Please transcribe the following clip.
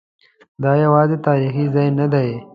دا یوازې تاریخي ځای نه دی.